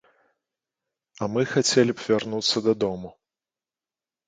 А мы хацелі б вярнуцца дадому.